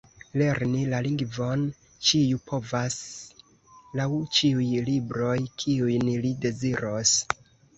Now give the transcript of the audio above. Lerni la lingvon ĉiu povas laŭ ĉiuj libroj, kiujn li deziros.